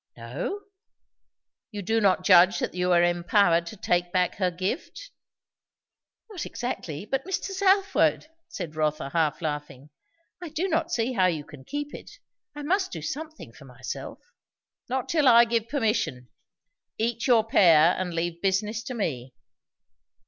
"No." "You do not judge that you are empowered to take back her gift?" "Not exactly. But Mr. Southwode," said Rotha half laughing, "I do not see how you can keep it. I must do something for myself." "Not till I give permission. Eat your pear, and leave business to me."